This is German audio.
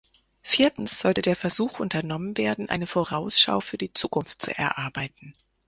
Viertens sollte der Versuch unternommen werden, eine Vorausschau für die Zukunft zu erarbeiten.